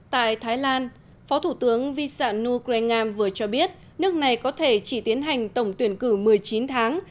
tại thái lan phó thủ tướng visa nugrenam vừa cho biết nước này có thể chỉ tiến hành tổng tuyển cử một mươi chín tháng